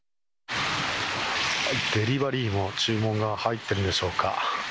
デリバリーの注文が入っているんでしょうか。